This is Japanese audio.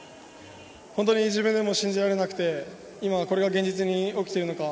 本当に自分でも信じられなくて今、これが現実に起きているのか